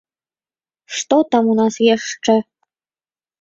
Што там у нас яшчэ?